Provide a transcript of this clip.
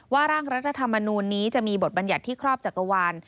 ร่างรัฐธรรมนูลนี้จะมีบทบัญญัติที่ครอบจักรวาล